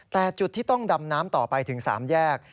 แต่จุดที่ต้องดำน้ำต่อไปถึง๓แยก